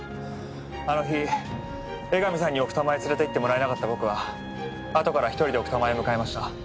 あの日江上さんに奥多摩へ連れて行ってもらえなかった僕はあとから１人で奥多摩へ向かいました。